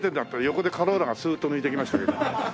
横でカローラがスーッと抜いていきましたけど。